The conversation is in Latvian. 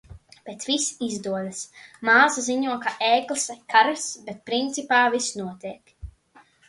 Bet viss izdodas. Māsa ziņo, ka e-klase "karas", bet principā viss notiek.